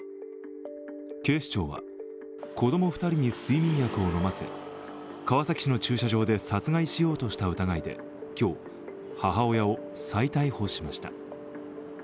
警視庁は子供２人に睡眠薬を飲ませ、川崎市の駐車場で殺害しようとした疑いで今日、母親を再逮捕しました。